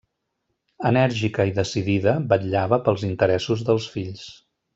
Enèrgica i decidida, vetllava pels interessos dels fills.